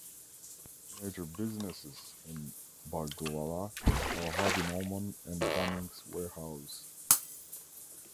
Major businesses in Balgowlah are Harvey Norman and Bunnings Warehouse.